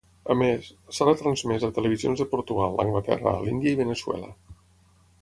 A més, s’ha retransmès a televisions de Portugal, Anglaterra, l'Índia i Veneçuela.